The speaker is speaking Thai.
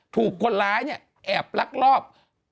ถูกคนร้ายเนี่ยแอบลักลอบ